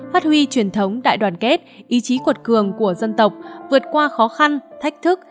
phát huy truyền thống đại đoàn kết ý chí cuột cường của dân tộc vượt qua khó khăn thách thức